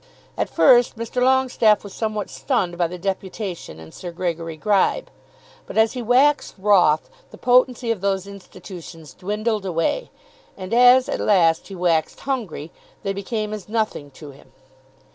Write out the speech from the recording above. At first Mr. Longestaffe was somewhat stunned by the Deputation and Sir Gregory Gribe; but as he waxed wroth the potency of those institutions dwindled away, and as, at last, he waxed hungry, they became as nothing to him.